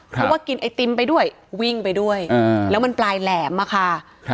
เพราะว่ากินไอติมไปด้วยวิ่งไปด้วยแล้วมันปลายแหลมอะค่ะ